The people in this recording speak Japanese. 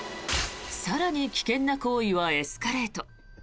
更に、危険な行為はエスカレート。